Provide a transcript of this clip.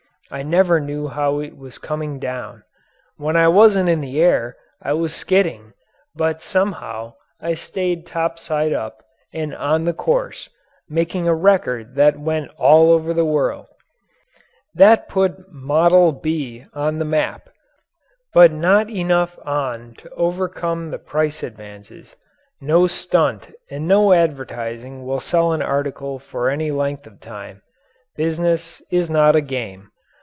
I never knew how it was coming down. When I wasn't in the air, I was skidding, but somehow I stayed top side up and on the course, making a record that went all over the world! That put "Model B" on the map but not enough on to overcome the price advances. No stunt and no advertising will sell an article for any length of time. Business is not a game.